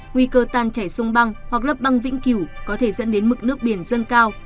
nguy cơ tan chảy sông băng hoặc lớp băng vĩnh cửu có thể dẫn đến mực nước biển dâng cao